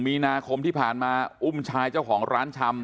มีนาคมที่ผ่านมาอุ้มชายเจ้าของร้านชำ